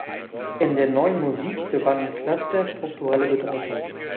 In der Neuen Musik gewannen Cluster strukturelle Bedeutung.